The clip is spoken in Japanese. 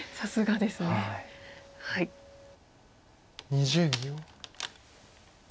２０秒。